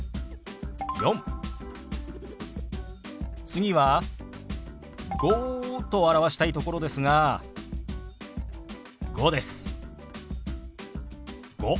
次は「５」と表したいところですが「５」です。